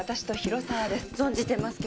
存じてますけど。